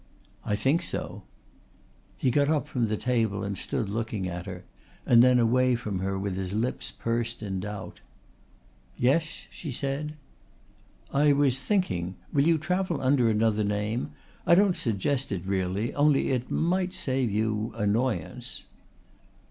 "I think so." He got up from the table and stood looking at her, and then away from her with his lips pursed in doubt. "Yes?" said she. "I was thinking. Will you travel under another name? I don't suggest it really, only it might save you annoyance."